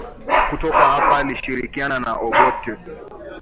Kutoka hapa alishirikiana na Obote